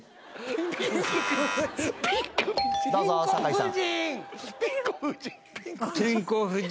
どうぞ坂井さん